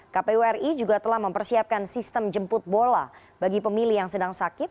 kpu ri juga telah mempersiapkan sistem jemput bola bagi pemilih yang sedang sakit